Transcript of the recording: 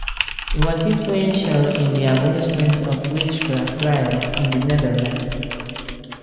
It was influential in the abolishment of witchcraft trials in the Netherlands.